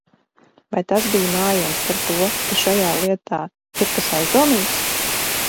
Vai tas bija mājiens par to, ka šajā lietā ir kas aizdomīgs?